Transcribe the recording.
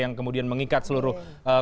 yang kemudian mengikat seluruh